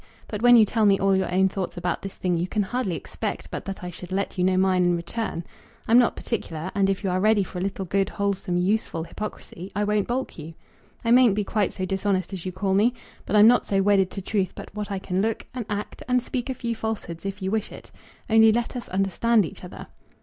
But when you tell me all your own thoughts about this thing you can hardly expect but that I should let you know mine in return. I'm not particular; and if you are ready for a little good, wholesome, useful hypocrisy, I won't balk you. I mayn't be quite so dishonest as you call me, but I'm not so wedded to truth but what I can look, and act, and speak a few falsehoods if you wish it. Only let us understand each other."